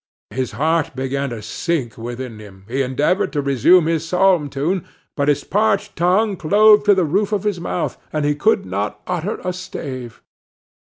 His heart began to sink within him; he endeavored to resume his psalm tune, but his parched tongue clove to the roof of his mouth, and he could not utter a stave.